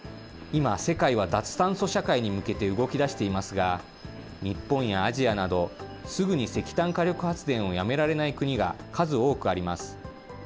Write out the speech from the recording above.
今、世界は脱炭素社会に向けて動きだしていますが、日本やアジアなど、すぐに石炭火力発電をやめられない国が数多くあります。